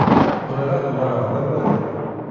Bɣiɣ ad uɣaleɣ d amaru.